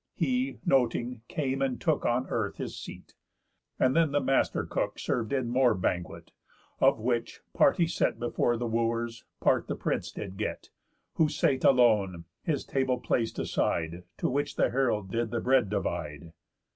He, noting, came, and took On earth his seat. And then the master cook Serv'd in more banquet; of which, part he set Before the Wooers, part the prince did get, Who sate alone, his table plac'd aside; To which the herald did the bread divide.